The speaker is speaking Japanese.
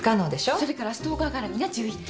それからストーカーがらみが１１件。